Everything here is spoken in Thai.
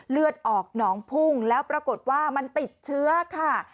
เลือดออกหนองพุ่งแล้วปรากฏว่ามันติดเชื้อค่ะ